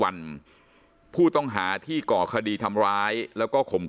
วันผู้ต้องหาที่ก่อคดีทำร้ายแล้วก็ข่มขื